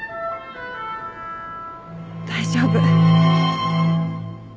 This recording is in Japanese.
大丈夫。